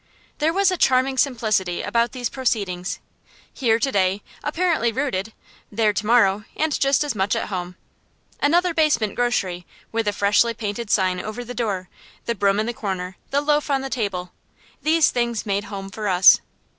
There was a charming simplicity about these proceedings. Here to day, apparently rooted; there to morrow, and just as much at home. Another basement grocery, with a freshly painted sign over the door; the broom in the corner, the loaf on the table these things made home for us.